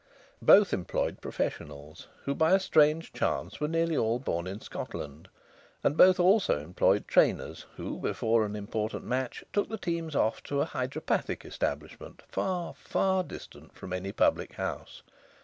Both employed professionals, who, by a strange chance, were nearly all born in Scotland; and both also employed trainers who, before an important match, took the teams off to a hydropathic establishment far, far distant from any public house.